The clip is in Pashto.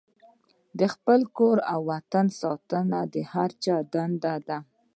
د خپل کور او وطن ساتنه د هر چا دنده ده.